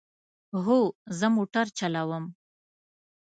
هو، زه موټر چلوم